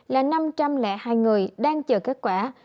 là năm trăm linh hai người đang chờ kết quả